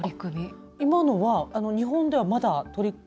今のは日本では、まだ？